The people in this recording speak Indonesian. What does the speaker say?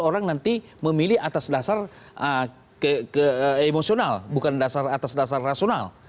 orang nanti memilih atas dasar emosional bukan atas dasar rasional